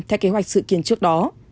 theo kế hoạch sự kiến trước đó